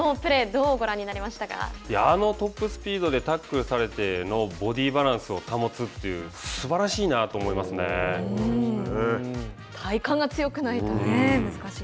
このトップスピードでタックルされてのボデーバランスを保つというのは体幹が強くないと難しい。